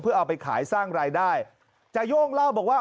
เพื่อเอาไปขายสร้างรายได้จาย่งเล่าบอกว่า